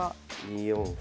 ２四歩。